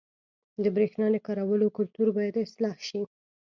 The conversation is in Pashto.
• د برېښنا د کارولو کلتور باید اصلاح شي.